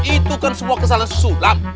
itu kan semua kesalahan sulap